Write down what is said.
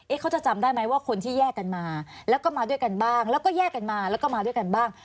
เขาจะจำได้ไหมว่าคนที่แยกกันมาแล้วก็มาด้วยกันบ้างแล้วก็แยกกันมาแล้วก็มาด้วยกันบ้าง